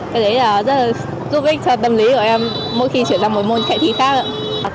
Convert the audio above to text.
cái đấy rất là giúp ích cho tâm lý của em mỗi khi chuyển sang một môn kẻ thi khác